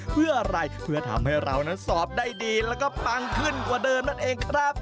เพื่ออะไรเพื่อทำให้เรานั้นสอบได้ดีแล้วก็ปังขึ้นกว่าเดิมนั่นเองครับ